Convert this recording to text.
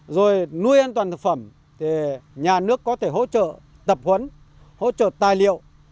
rồi nuôi an toàn thực phẩm thì nhà nước có thể hỗ trợ tập huấn hỗ trợ tài liệu